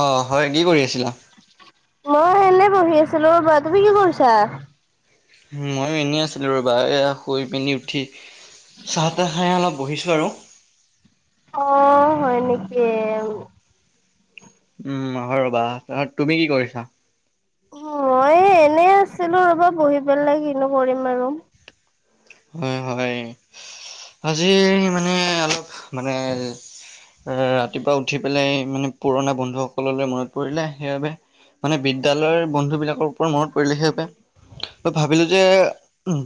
অ', হয়, কি কৰি আছিলা? মই এনে বহি আছিলো ৰ'বা, তুমি কি কৰিছা? ময়ো এনেই আছিলো ৰ'বা এইয়া শুই পিনি উঠি চাহ-তাহ খাই অলপ বহিছোঁ আৰু। অ', হয় নেকি? উম, হয় ৰ'বা, তুমি কি কৰিছা? মই এনে আছিলো ৰ'বা বহি পেলাই, কিনো কৰিম আৰু। হয়, হয়, আজি মানে অলপ মানে এ ৰাতিপুৱা উঠি পেলাই মানে পুৰণা বন্ধুসকললৈ মনত পৰিলে, সেইবাবে মানে বিদ্যালয়ৰ বন্ধু বিলাকৰ ওপৰত মনত পৰিলে, সেই বাবে ভাবিলো যে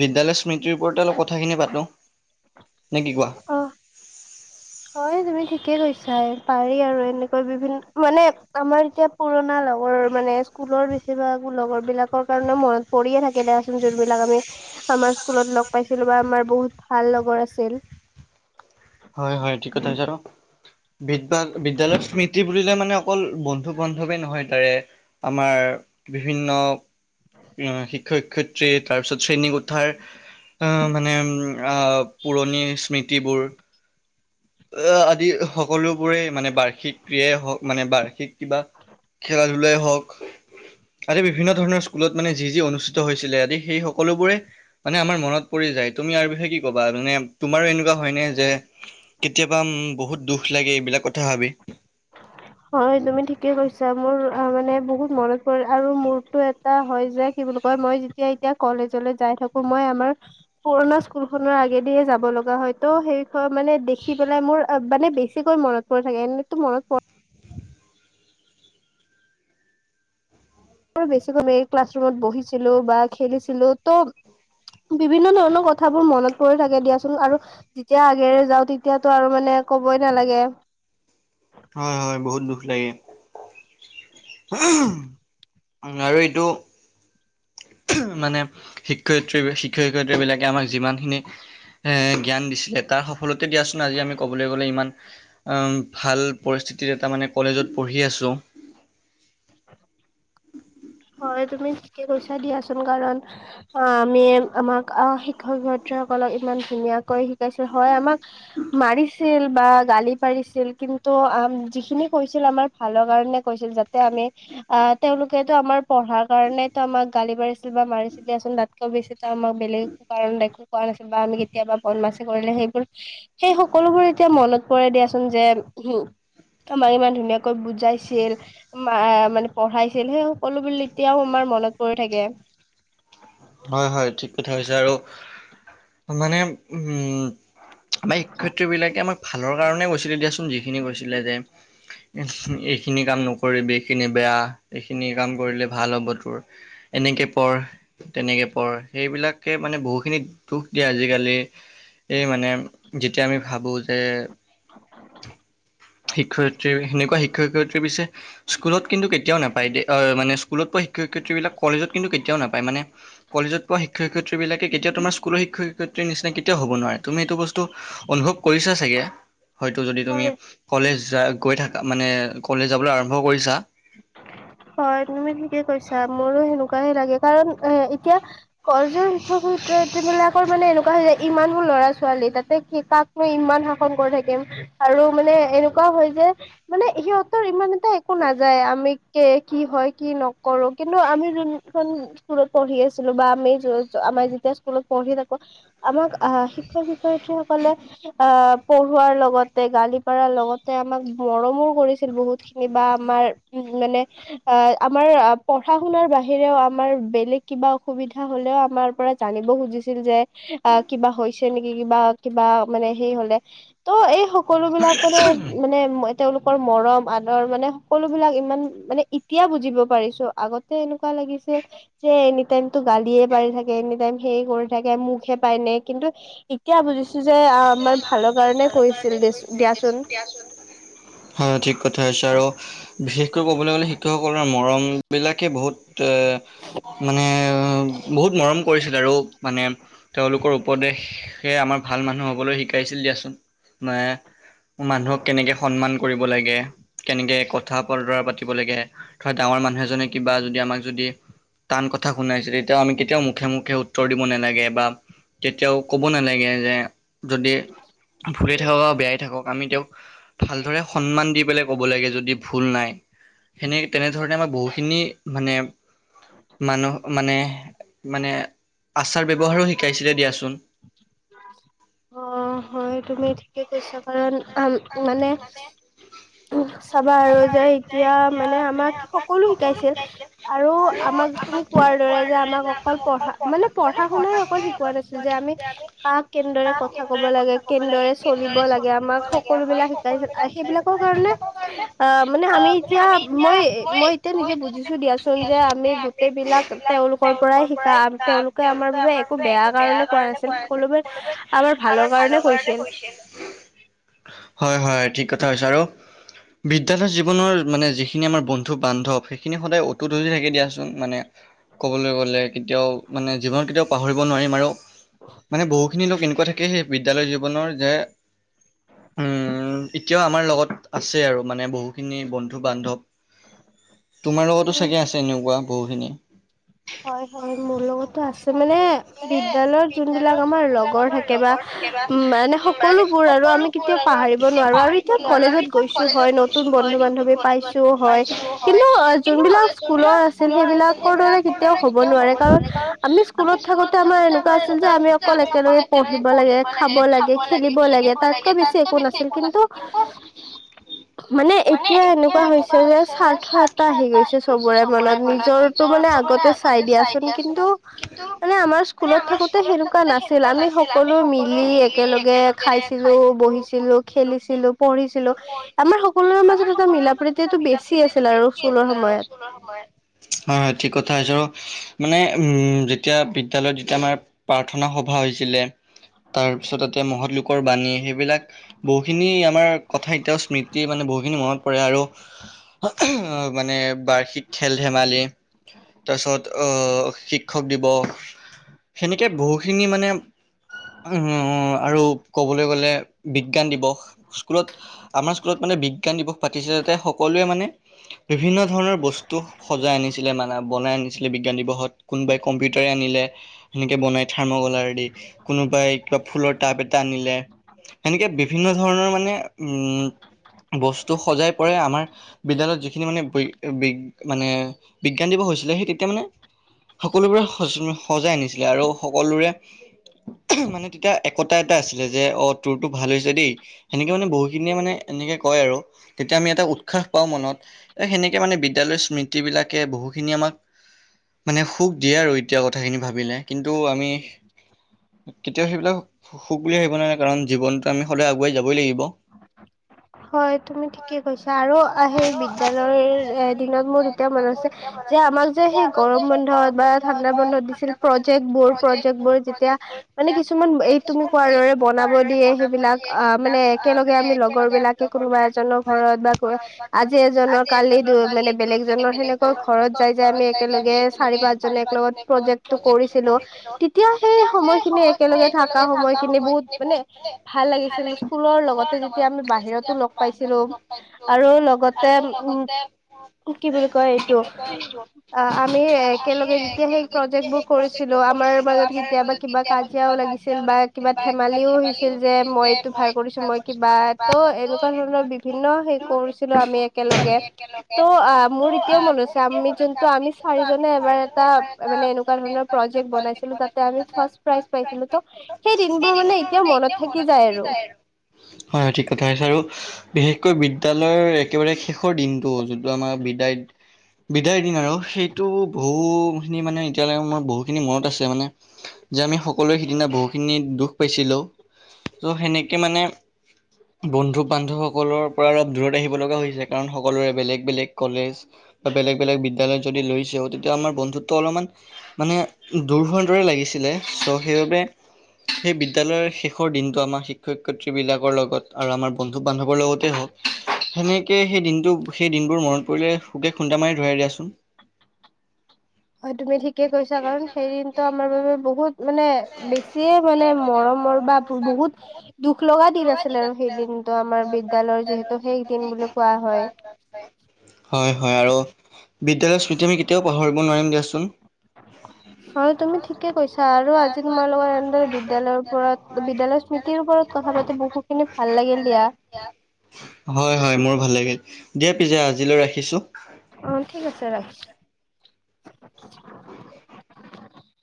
বিদ্য়ালয় স্মৃতি টিৰ ওপৰতে অলপ কথাখিনি পাতোঁ, নে কি কোৱা? অ', হয় তুমি ঠিকে কৈছা পাৰি আৰু এনেকৈ বিভিন্ন মানে আমাৰ এতিয়া পুৰণা লগৰ মানে, স্কুলৰ বেছিভাগ লগৰ বিলাকৰ কাৰণে মনত পৰিয়ে থাকে দিয়াচোন, যোনবিলাক আমি আমাৰ স্কুলত ল'গ পাইছিলো বা আমাৰ বহুত ভাল ল'গৰ আছিল। হয়, হয়, ঠিক কথা [unintelligible] বিদ্যা-বিদ্যয়ালয়ৰ স্মৃতি বুলিলে মানে অকল বন্ধু-বান্ধৱে নহয়, তাৰে আমাৰ বিভিন্ন, উম, শিক্ষ-শিক্ষত্ৰী তাৰপিছত শ্ৰেণী কো ঠাৰ অ', মানে আহ পুৰণি স্মৃতিবোৰ আহ, আদি সকলোবোৰেই মানে বাৰ্ষিক ক্ৰিয়াই হওক মানে, বাৰ্ষিক কিবা খেল লে হওক আদি বিভিন্ন ধৰণৰ স্কুলত মানে যি যি অনুষ্ঠিত হৈছিলে, আদি সেই সকলোবোৰে মানে আমাৰ মনত পৰি যায়, তুমি ইয়াৰ বিষয়ে কি ক'বা? মানে এনেকুৱা হয়নে যে কেতিয়াবা উম, বহুত দুখ লাগে এইবিলাক কথা ভাবি? হয় তুমি ঠিকে কৈছা, মোৰ মানে বহুত মনত পৰে আৰু এটা হয় যে কি বোলো হয়, মই যেতিয়া এতিয়া কলেজলৈ যাই থাকোঁ‌, মই আমাৰ পুৰণা স্কুল খনৰ আগেদিয়ে যাব লগা হয় ত' সেই-খ মানে দেখি পেলাই মোৰ অ', মানে বেছিকৈ মনত পৰি থাকে, এনেতো মনত পৰে। তোৰ বেছিকৈ মেৰি ক্লাছৰুমত বহিছিলো বা খেলিছিলো ত'--' বিভিন্ন ধৰণৰ কথাবোৰ মনত পৰি থাকে দিয়াচোন, আৰু যেতিয়া আগেৰে যাওঁ তেতিয়াতো আৰু মানে কবই নালাগে। হয় হয়, বহুত দুখ লাগে। [unintelligible] আৰু এইটো মানে, শিক্ষয়িত্ৰী, শিক্ষ-শিক্ষয়িত্ৰী বিলাকে আমাক যিমানখিনি এ জ্ঞান দিছিলে তাৰ সফলতে দিয়াচোন আজি আমি ক'বলৈ গ'লে ইমান উম, ভাল পৰিস্থিতি এটা মানে, কলেজত পঢ়ি আছোঁ। হয় তুমি ঠিকে কৈছা দিয়াচোন, কাৰণ অ', আমি আমাক, আহ, শিক্ষক-শিক্ষয়িত্ৰী সকলক ইমান ধুনীয়াকৈ শিকাইছিল, হয় আমাক মাৰিছিল বা গালি পাৰিছিল, কিন্তু আ, যিখিনি কৈছিল আমাৰ ভালৰ কাৰণে কৈছিল যা তে আমি, আহ তেওঁলোকেটো আমাৰ পঢ়াৰ কাৰণেই টো আমাক গালি পাৰিছিল বা মাৰিছিলি দিয়াচোন, তাতকৈ বেছিটো আমাক বেলেগ একো কাৰণ দেখো কোৱা নাছিল, বা আমি কেতিয়াবা বদ মাছি কৰিলে সেইবোৰ সেই সকলোবোৰ এতিয়া মনত পৰে দিয়াচোন, যে হম আমাক ইমান ধুনীয়াকৈ বুজাইছিল, মা-মানে পঢ়াইছিল সেই সকলো বুলি এতিয়াও আমাৰ মনত পৰি থাকে। হয় হয় ঠিক কথা কৈছা, আৰু মানে উম লাইক শিক্ষয়ত্ৰী বিলাকে আমাক ভালৰ কাৰণে কৈছিলে দিয়াচোন যিখিনি কৈছিলে যে এইখিনি কাম নকৰিবি এইখিনি বেয়া, এইখিনি কাম কৰিলে ভাল হ'ব তোৰ। এনেকে পঢ় তেনেকে পঢ়, সেইবিলাকে মানে বহু দুখ দিয়ে আজিকালি, এই মানে যেতিয়া আমি ভাবোঁ‌ যে শিক্ষয়িত্ৰী, সেনেকুৱা শিক্ষ-শিক্ষয়িত্ৰীৰ পিছে স্কুলত কিন্তু কেতিয়াও নাপায় দেই, অ', মানে স্কুলত পোৱা শিক্ষ-শিক্ষয়িত্ৰী বিলাক কলেজত কিন্তু কেতিয়াওঁ নাপায়, মানে কলেজত পোৱা শিক্ষ-শিক্ষয়িত্ৰী বিলাকে কেতিয়া তোমাৰ স্কুল শিক্ষ-শিক্ষয়িত্ৰীৰ নিচিনা কেতিয়াও হ'ব নোৱাৰে, তুমি এইটো বস্তু অনুভব কৰিছা চাগে। হয়তো যদি তুমি, হয় কলেজ যা-গৈ থাকা, মানে কলেজ যাবলৈ আৰম্ভ কৰিছা। হয় তুমি ঠিকে কৈছা, মোৰো সেনেকুৱাহে লাগে কাৰণ এ এতিয়া কলেজৰ শিক্ষক-শিক্ষয়িত্ৰী বিলাকৰ মানে এনেকুৱা হয় যে, ইমানবোৰ ল'ৰা ছোৱালী তাতে কিতাপ ইমান শাসন কৰি থাকিম, আৰু মানে এনেকুৱাও হয় যে মানে সিহঁতৰ ইমান এটা একো না যায়, আমি কে কি হয়, কি নকৰোঁ‌, কিন্তু আমি যোনখন স্কুলত পঢ়ি আছিলোঁ বা আমি য-আমাৰ যেতিয়া স্কুলত পঢ়ি থাকোঁ‌ আমাক আহ শিক্ষক-শিক্ষয়িত্ৰীসকলে আহ পঢ়োৱাৰ লগতে গালি পাৰাৰ লগতে আমাক মৰমো কৰিছিল বহুত খিনি বা আমাৰ উম, মানে আহ আমাৰ পঢ়া শুনাৰ বাহিৰেও আমাৰ বেলেগ কিবা অসুবিধা হ'লেও আমাৰ পৰা জানিব খুজিছিল যে আহ কিবা হৈছে নেকি কিবা কিবা মানে সেই হলে তো' এই সকলো বিলাক মানে মানে তেওঁলোকৰ মৰম আদৰ মানে সকলো বিলাক ইমান মানে এতিয়া বুজিব পাৰিছো আগতে এনেকুৱা লাগিছিল যে এনিটাইমতো গালিয়ে পাৰি থাকে এনিটাইম সেই কৰি থাকে মুখহে পাই নে কিন্তু এতিয়া বুজিছো যে আমাৰ ভালৰ কাৰণে কৈছিল দেছোন হয় ঠিক কথা কৈছা আৰু বিশেষকৈ ক'বলৈ গ'লে শিক্ষকসকলৰ মৰমবিলাকে বহুত এ মানে বহুত মৰম কৰিছিল আৰু মানে তেওঁলোকৰ উপদেশে সেই আমাৰ ভাল মানুহ হ'বলৈ শিকাইছিল দিয়াচোন মে ' কোন মানুহক কেনেকে সন্মান কৰিব লাগে কেনেকে কথা বতৰা পাতিব লাগে ধৰা ডাঙৰ মানুহ এজনে কিবা যদি আমাক যদি টান কথা শুনাইছে তেতিয়াও আমি কেতিয়াও মুখে, মুখে উত্তৰ দিব নালাগে বা কেতিয়াও কব নালাগে যে যদি ভুলে থাকক বা বেয়াই থাকক আমি তেওঁক ভালদৰে সন্মান দি পেলাই ক'ব লাগে যদি ভুল নাই। সেনে তেনেধৰণে আমাৰ বহুখিনি মানে মানুহ মানে, মানে আচাৰ ব্যৱহাৰো শিকাইছিলে দিয়াচোন। অহ' হয় তুমি ঠিকে কৈছা কাৰণ মানে চাবা আৰু যে এতিয়া মানে আমাক সকলো শিকাইছিল। আৰু আমাক তুমি কোৱাৰ দৰে যে আমাক অকল পঢ়া মানে পঢ়া শুনাই অকল শিকোৱা নাছিল। যে আমি কাক কেনেদৰে কথা কব লাগে কেনেদৰে চলিব লাগে আমাক সকলো বিলাক শিকাইছিল শিকোৱাৰ কাৰণে অহ' মানে আমি এতিয়া মই মই এতিয়া নিজে বুজিছো দিয়াচোন যে আমি গোটেইবিলাক তেওঁলোকৰ পৰাই শিকা তেওঁলোকে আমাৰ বাবে একো বেয়া কাৰণে কোৱা নাছিল সকলোৱে আমাৰ ভালৰ কাৰণে কৈছিল। হয, হয় ঠিক কথা কৈছা আৰু বিদ্যালয়ৰ জীৱনৰ মানে যিখিনি আমাৰ বন্ধু বান্ধৱ সেইখিনি সদায় অতুত হৈয়ে থাকে দিয়াচোন মানে। ক'বলৈ গ'লে। কেতিয়াও মানে জীৱনত কেতিয়াও পাহৰিব নোৱাৰিম আৰু মানে বহুখিনি লোক এনেকুৱা থাকে সেই বিদ্যালয় জীৱনৰ যে উম, এতিয়াও আমাৰ লগত আছে আৰু মানে বহুখিনি বন্ধু-বান্ধৱ। তোমাৰ লগতো উম চাগে আছে এনেকুৱা বহুখিনি। হয়, হয় মোৰ লগতো আছে মানে বিদ্যালয়ত যোনবিলাক আমাৰ লগৰ থাকে বা থাকে বা উম, মানে সকলোবোৰ আৰু আমি কেতিয়াও পাহৰিব নোৱাৰো আৰু এতিয়া কলেজত গৈছো হয় নতুন বন্ধু বান্ধৱী পাইছো হয় কিন্তু যোনবিলাক স্কুলৰ আছিল সেইবিলাকৰ কেতিয়াও হব নোৱাৰে কাৰণ আমি স্কুলত থাকোতে আমাৰ এনেকুৱা আছিল যে আমি অকল একেলগে পঢ়িব লাগে খাব লাগে খেলিব লাগে তাতকৈ বেছি একো নালাগে কিন্তু মানে এতিয়া এনেকুৱা হৈছে যে স্বাৰ্থ এটা আহি গৈছে চবৰে মনত নিজৰ টো মানে চাই দিয়াচোন কিন্তু মানে আমাৰ স্কুলত থাকোতে সেনেকুৱা নাছিল আমি সকলো মিলি একেলগে খাইছিলো, বহিছিলো, খেলিছিলো, পঢ়িছিলো। আমাৰ সকলোৰে মাজত এটা মিলা প্ৰীতিটো বেছি আছিল আৰু স্কুলৰ সময়ত। হয়, হয় ঠিক কথা [unintelligible] মানে উম, যেতিয়া বিদ্যালয়ত [unintelligible] আমাৰ প্ৰাৰ্থনা সভা হৈছিলে তাৰপিছত তাতে মহৎলোকৰ বাণী সেইবিলাক বহুখিনি আমাৰ কথা এতিয়াও স্মৃতি মানে বহুখিনি মনত পৰে আৰু অ মানে বাৰ্ষিক খেল ধেমালি তাৰপিছত অ শিক্ষক দিৱস সেনেকে বহুখিনি মানে [unintelligible] আৰু ক'বলৈ গ'লে বিজ্ঞান দিৱস স্কুলত আমাৰ স্কুলত মানে বিজ্ঞান দিৱস পাতিছে তাতে সকলোৱে মানে বিভিন্ন ধৰণৰ বস্তু সজাই আনিছিলে মানে বনাই আনিছিলে বিজ্ঞান দিৱসত। কোনোবাই কম্পিউটাৰে আনিলে। সেনেকেবনাই থাৰ্ম কলাৰ দি কোনোবাই কিবা ফুলৰ টাব এটা আনিলে। সেনেকে বিভিন্ন ধৰণৰ মানে উম বস্তু সজাই পৰাই আমাৰ বিদ্যালয়ত যিখিনি মানে বি- বি - বি মানে বিজ্ঞান দিৱস হৈছিলে সেই তেতিয়া মানে সকলোবোৰে সজ -সজাই আনিছিলে আৰু সকলোৰে মানে তেতিয়া একতা এটা আছিলে যে অ তোৰতো ভাল হৈছে দেই। সেনেকে মানে বহুখিনিয়ে মানে এনেকে কয় আৰু তেতিয়া আমি এটা উৎসাহ পাওঁ মনত। এই সেনেকৈ মানে বিদ্যালয়ৰ স্মৃতিবিলাকে বহুখিনি আমাক মানে সুখ দিয়ে আৰু এতিয়া কথাখিনি ভাবিলে কিন্তু আমি কেতিয়াও সেইবিলাক সুখ বুলি [unintelligible] নোৱাৰে কাৰণ জীৱনত আমি সদায় আগুৱাই যাবই লাগিব। [inaudible] হয় তুমি ঠিকে কৈছা আৰু সেই বিদ্যালয়ৰ এ দিনত মোৰ এতিয়া মন আছে। যে আমাক যে সেই গৰম বন্ধত বা ঠাণ্ডা বন্ধত দিছিল প্ৰজেক্ট বোৰ প্ৰজেক্ট বোৰ তেতিয়া মানে কিছুমান এই তুমি কোৱাৰ দৰে বনাব দিয়ে সেইবিলাক আ মানে একেলগে আমি লগৰ বিলাক কোনোবা এজনৰ ঘৰত বা ক আজি এজনৰ কালি [unintelligible] মানে বেলেগজনৰ সেনেকা ঘৰত যাই যাই আমি একেলগে চাৰি পাঁচ জন একলগত প্ৰজেক্টো কৰিছিলো। [unintelligible] সেই সময়খিনি একেলগে থাকা সময়খিনি বহুত মানে ভাল লাগিছিল স্কুলৰ লগতে যেতিয়া আমি বাহিৰত [unintelligible] লগ পাইছিলো আৰু লগতে উম কি বুলি কয় এইটো আ আমি একেলগে যেতিয়া সেই প্ৰজেক্ট বোৰ কৰিছিলো আমাৰ মাজত কেতিয়াবা কিবা কাজিয়াও লাগিছিল বা কিবা ধেমালিও হৈছিল যে মই এইটো ভাল কৰিছো মই কিবা ত ' [unintelligible] তেনেকুৱা ধৰণৰ বিভিন্ন হেৰি কৰিছিলো আমি একেলগে। ত' আ মোৰ এতিয়াও মনত আছে আমি যোনটো আমি চাৰিজনে এবাৰ এটা মানে এনেকুৱা ধৰণৰ প্ৰজেক্ট বনাইছিলো তাতে আমি ফাৰ্ষ্ট প্ৰাইজ পাইছিলো ত' সেই দিনবোৰ মানে মোৰ মানে এতিয়া মনত থাকি যায় আৰু। বিশেষকৈ বিদ্যালয়ৰ একেবাৰে শেষৰ দিনটো যোনটো আমাৰ বিদায় বিদায়ৰ দিন আৰু সেইটো বহুখিনি মানে এতিয়ালৈকে মোৰ বহুখিনি মনত আছে মানে যে আমি সকলোৱে সিদিনা বহুখিনি দুখ পাইছিলো ত' সেনেকে মানে বন্ধু বান্ধৱসকলৰ পৰা [unintelligible] দূৰত আহিব লগা হৈছে কাৰণ সকলোৰে বেলেগ বেলেগ কলেজ। বা বেলেগ বেলেগ বিদ্যালয় যদি লৈছেও তেতিয়া আমাৰ বন্ধুত্ব অলমান মানে দূৰ হোৱাৰ দৰে লাগিছিলে ছ' সেইবাবে সেই বিদ্যালয়ৰ শেষৰ দিনটো আমাৰ শিক্ষক শিক্ষয়িত্ৰীবিলাকৰ লগত আৰু আমাৰ বন্ধু বান্ধৱৰ লগতে হওঁক সেনেকে সেই দিনটো সেই দিনবোৰ মনত পৰিলে সুকে খুন্দা মাৰি ধৰে দিয়াচোন। হয় তুমি ঠিকে কৈছা কাৰণ সেই দিনটো আমাৰ বাবে বহুত মানে বেছিয়ে মানে মৰমৰ বা বহুত দুখ লগা দিন আছিল আৰু সেই দিনটো আমাৰ বিদ্যায়ালয়ৰ যিহেতু শেষ দিন বুলি কোৱা হয়। হয় হয় আৰু বিদ্যালয়ৰ স্মৃতি আমি কেতিয়াও পাহৰিব নোৱাৰিম দিয়াচোন। হয় তুমি ঠিক থিকে কৈছা আৰু আজি তোমাল লগত এনেদৰে বিদ্যালয়ৰ ওপৰত বিদ্যালয়ৰ স্মৃতিৰ ওপৰত কথা পাতি বহুত কিন্তু ভাল লাগিল দিয়া। দিয়া হয় হয় মোৰ ভাল লাগিল দিয়া পিছে আজিলৈ ৰাখিছো। অ' ঠিক আছে ৰাখছো